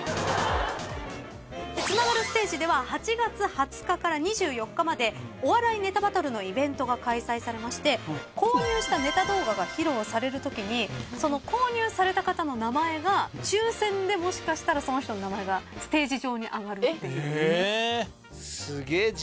つながるステージでは８月２０日から２４日までお笑いネタバトルのイベントが開催されまして購入したネタ動画が披露されるときに購入された方の名前が抽選でもしかしたらその人の名前がステージ上に上がるっていう。え！